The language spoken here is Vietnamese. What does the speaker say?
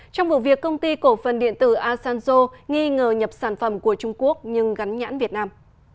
trong vụ việc công ty cổ phần điện tử asanzo nghi ngờ nhập sản phẩm của trung quốc nhưng gắn nhãn việt nam